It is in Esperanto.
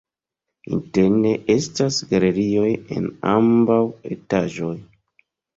Interne estas galerioj en ambaŭ etaĝoj.